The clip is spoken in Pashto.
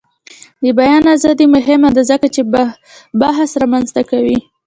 د بیان ازادي مهمه ده ځکه چې بحث رامنځته کوي.